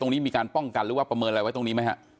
มีการป้องกันหรือว่าประเมินอะไรไว้ตรงนี้ไหมฮะ